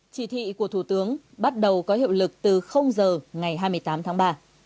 chỉ thị của thủ tướng bắt đầu có hiệu lực từ giờ ngày hai mươi tám tháng ba